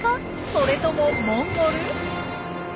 それともモンゴル？